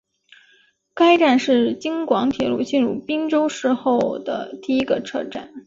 该站是京广铁路进入郴州市后的第一个车站。